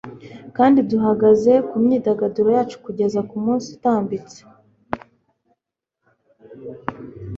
Kandi duhagaze mu myidagaduro yacu kugeza umunsi utambitse